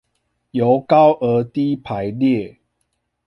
由高而低排列